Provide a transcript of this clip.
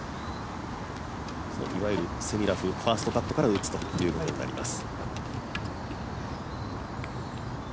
いわゆるセミラフ、ファーストカットから打つということになります。